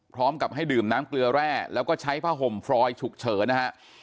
พร้อมกับให้ดื่มน้ำเกลือแร่แล้วก็ใช้ผ้าห่มฟรอยฉุกเฉินนะฮะ